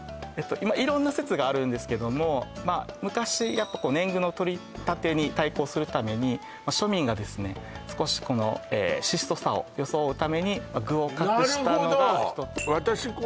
色んな説があるんですけどもまあ昔やっぱ年貢の取り立てに対抗するために庶民がですね少しこの質素さを装うために具を隠したのが一つなるほど！